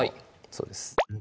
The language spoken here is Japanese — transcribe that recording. そうです